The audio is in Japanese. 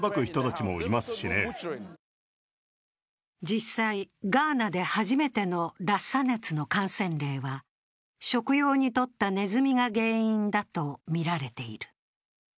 実際、ガーナで初めてのラッサ熱の感染例は食用にとったネズミが原因だとみられている。